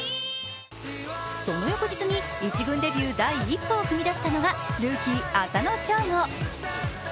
その翌日に１軍デビュー第一歩を踏み出したのがルーキー・浅野翔吾。